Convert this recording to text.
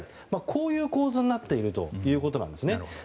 こういう構図になっているということなんです。